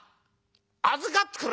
預かってくれる？